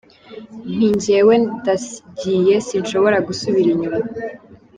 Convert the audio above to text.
Nti jyewe ndagiye sinshobora gusubira inyuma.